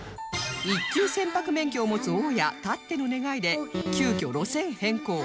一級船舶免許を持つ大家たっての願いで急きょ路線変更